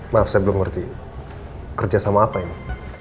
maaf saya belum ngerti kerjasama apa ini